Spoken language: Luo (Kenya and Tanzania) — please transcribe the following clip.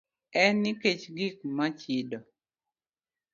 En nikech gik ma chido.